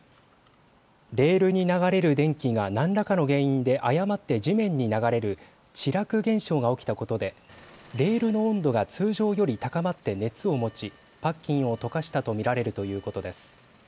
レールに流れる電気が何らかの原因で誤って地面に流れる地絡現象が起きたことでレールの温度が通常より高まって熱を持ちパッキンを溶かしたと見られるということです。